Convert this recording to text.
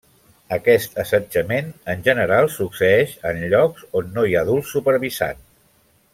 Aquest assetjament, en general, succeeix en llocs on no hi ha adults supervisant.